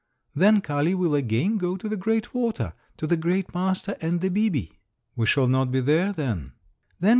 "Then Kali will again go to the great water to the great master and the 'bibi.'" "We shall not be there then."